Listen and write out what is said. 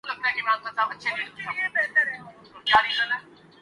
گاؤں کا نام کلاں تھا ۔